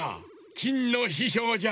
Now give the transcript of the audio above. きんのししょうじゃ。